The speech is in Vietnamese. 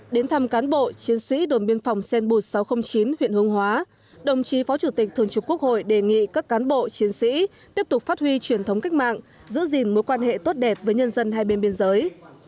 đến thăm cán bộ chiến sĩ đồn biên phòng sen bút sáu trăm linh chín huyện hương hóa đồng chí phó chủ tịch thường trực quốc hội đề nghị các cán bộ chiến sĩ tiếp tục phát huy truyền thống cách mạng giữ gìn mối quan hệ tốt đẹp với nhân dân hai bên biên giới